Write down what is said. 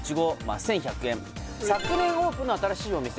「昨年オープンの新しいお店」